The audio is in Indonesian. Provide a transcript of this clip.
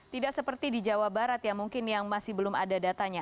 tidak seperti di jawa barat ya mungkin yang masih belum ada datanya